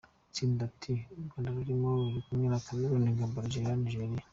Itsinda T u Rwanda rurimo ruri kumwe na Cameroon, Gabon, Algeria na Nigeria.